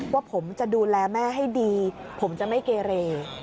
ว่าผมจะดูแลแม่ให้ดีผมจะไม่เกเร